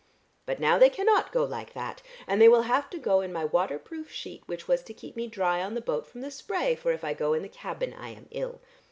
But now they cannot go like that, and they will have to go in my water proof sheet which was to keep me dry on the boat from the spray, for if I go in the cabin I am ill.